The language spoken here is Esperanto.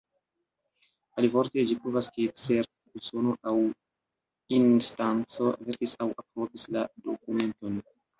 Alivorte ĝi pruvas, ke certa persono aŭ instanco verkis aŭ aprobis la dokumenton.